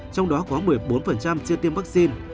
trong đó có một mươi bốn chưa tiêm vaccine